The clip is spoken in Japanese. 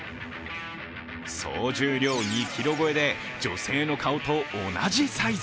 総重量２ｋｇ超えで、女性の顔と同じサイズ。